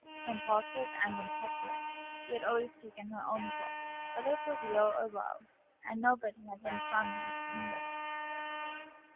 Impulsive and impetuous, she had always taken her own course, whether for weal or woe, and nobody had been strong enough to hinder her.